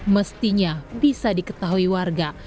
mestinya bisa diketahui warga